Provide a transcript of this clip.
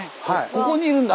ここにいるんだ。